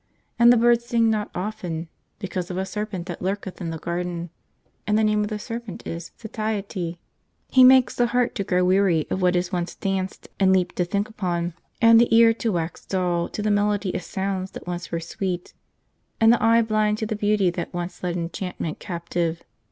And the birds sing not often, because of a serpent that lurketh in the garden. And the name of the serpent is Satiety. He maketh the heart to grow weary of what it once danced and leaped to think upon, and the ear to wax dull to the melody of sounds that once were sweet, and the eye blind to the beauty that once led enchantment captive.